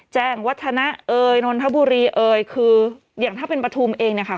แจ้งวัฒนะเอ่ยนนทบุรีเอ่ยคืออย่างถ้าเป็นปฐุมเองเนี่ยค่ะ